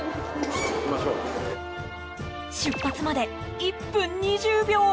出発まで１分２０秒。